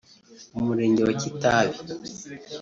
Umurenge wa Kitabi